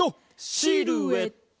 シルエット！